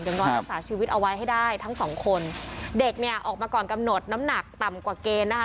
อย่างน้อยรักษาชีวิตเอาไว้ให้ได้ทั้งสองคนเด็กเนี่ยออกมาก่อนกำหนดน้ำหนักต่ำกว่าเกณฑ์นะคะ